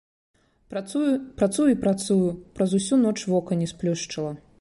Працую, працую і працую, праз усю ноч вока не сплюшчыла.